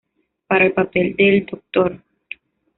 Para el papel del Dr.